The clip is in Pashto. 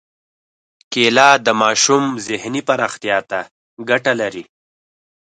کېله د ماشوم ذهني پراختیا ته ګټه لري.